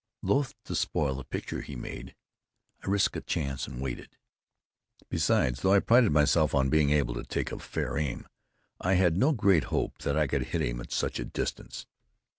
Loth to spoil the picture he made, I risked a chance, and waited. Besides, though I prided myself on being able to take a fair aim, I had no great hope that I could hit him at such a distance.